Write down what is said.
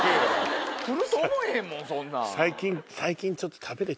来ると思えへんもんそんなん。